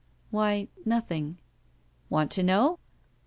"Why— nothing." "Want to know?"